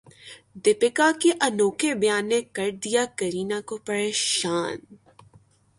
دیپیکا کے انوکھے بیان نے کردیا کرینہ کو پریشان